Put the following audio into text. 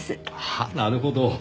はあなるほど。